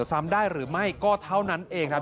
ซ้ำได้หรือไม่ก็เท่านั้นเองครับ